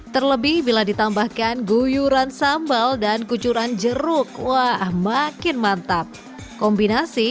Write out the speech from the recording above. terlebih bila ditambahkan guyuran sambal dan kucuran jeruk wah makin mantap kombinasi